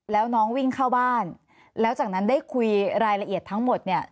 แล้วน้องวิ่งเข้าบ้านแล้วจากนั้นได้คุยรายละเอียดทั้งหมดเนี่ย